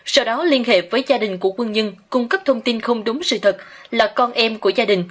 sau đó liên hệ với gia đình của quân nhân cung cấp thông tin không đúng sự thật là con em của gia đình